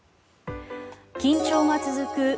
緊張が続く